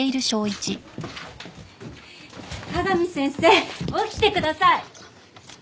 香美先生起きてください！